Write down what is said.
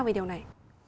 về điều này